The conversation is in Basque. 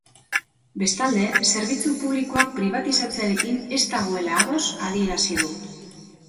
Bestalde, zerbitzu publikoak pribatizatzearekin ez dagoela ados adierazi du.